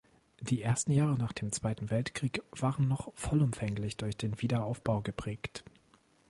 Die ersten Jahre nach dem Zweiten Weltkrieg waren noch vollumfänglich durch den Wiederaufbau geprägt.